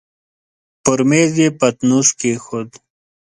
پر مېز يې پتنوس کېښود.